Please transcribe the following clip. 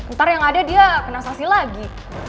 ntar yang ada dia kena sanksi lagi